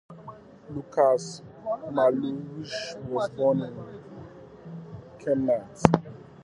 Lucy Millowitsch was born in Chemnitz.